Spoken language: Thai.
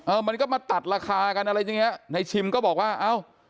มันก็มาตัดราคากันอะไรอย่างเงี้ยในชิมก็บอกว่าเอ้า